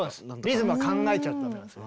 リズムは考えちゃうとダメなんです。